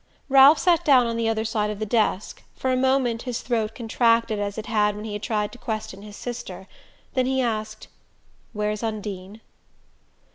Ralph sat down on the other side of the desk. For a moment his throat contracted as it had when he had tried to question his sister; then he asked: "Where's Undine?"